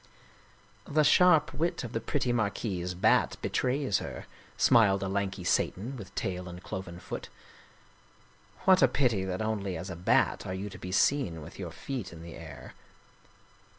" The sharp wit of the pretty Marquise Bat betrays her," smiled a lanky Satan with tail and cloven foot. " What a pity that only as a Bat are you to be seen with your feet in the air."